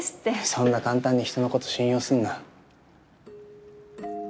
そんな簡単に人のこと信用すんな。